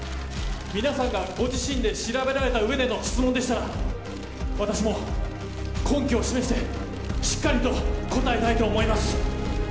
皆さんがご自身で調べられた上での質問でしたら私も根拠を示してしっかりと答えたいと思います。